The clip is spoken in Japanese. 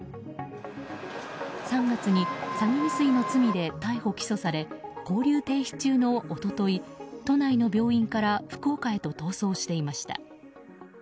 ３月に詐欺未遂の罪で逮捕・起訴され勾留停止中の一昨日都内の病院から福岡へと逃走していました。